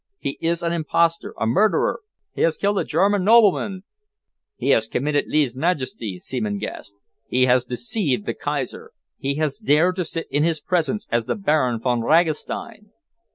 He is an impostor a murderer! He has killed a German nobleman." "He has committed lese majeste!" Seaman gasped. "He has deceived the Kaiser! He has dared to sit in his presence as the Baron Von Ragastein!"